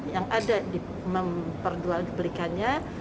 yang ada diperjual belikannya